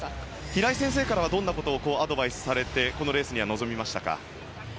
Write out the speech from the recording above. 平井先生からは、どんなことをアドバイスされてこのレースには臨みましたか？